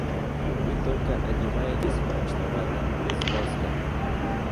Вы только одеваетесь мрачновато, без лоска.